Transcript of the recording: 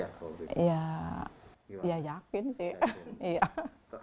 ya yakin sih